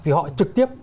vì họ trực tiếp